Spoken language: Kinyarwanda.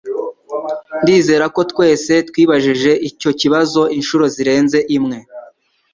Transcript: Ndizera ko twese twibajije icyo kibazo inshuro zirenze imwe.